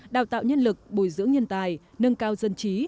đào tạo nhân lực bồi dưỡng nhân tài nâng cao dân trí